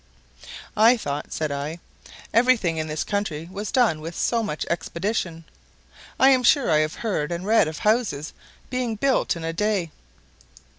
"I thought," said I, "every thing in this country was done with so much expedition. I am sure I have heard and read of houses being built in a day."